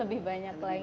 lebih banyak lagi